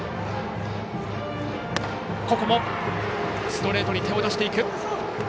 ここもストレートに手を出していく。